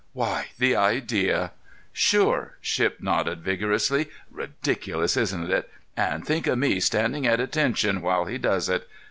Why, the idea!" "Sure!" Shipp nodded vigorously. "Ridiculous, isn't it? And think of me standing at attention while he does it.